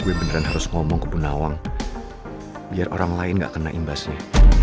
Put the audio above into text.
gue beneran harus ngomong ke bunawang biar orang lain gak kena imbasnya